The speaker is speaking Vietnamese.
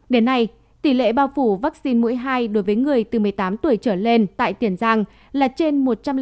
đến nay tỷ lệ bao phủ vaccine mũi hai đối với người từ một mươi tám tuổi trở lên tại tiền giang là trên một trăm linh